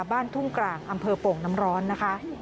บ้านทุ่งกลางอำเภอโป่งน้ำร้อนนะคะ